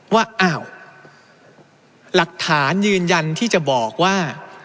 ว่าอ้าวหลักฐานยืนยันที่จะบอกว่า